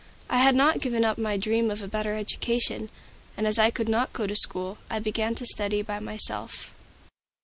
I had not given up my dream of a better education, and as I could not go to school, I began to study by myself.